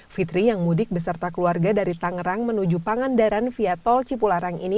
fitri yang mudik beserta keluarga dari tangerang menuju pangandaran via tol cipularang ini